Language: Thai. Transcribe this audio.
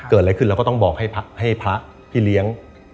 เกิดอะไรขึ้นเราก็ต้องบอกให้พระพี่เลี้ยง